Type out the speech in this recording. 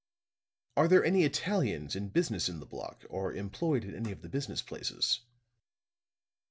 "Are there any Italians in business in the block, or employed in any of the business places?"